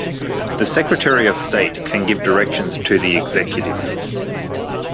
The Secretary of State can give directions to the Executive.